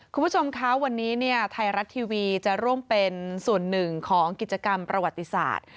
คุณผู้ชมคะวันนี้เนี่ยไทยรัฐทีวีจะร่วมเป็นส่วนหนึ่งของกิจกรรมประวัติศาสตร์